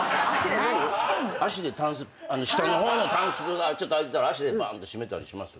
下の方のタンスが開いてたら足でバンって閉めたりします？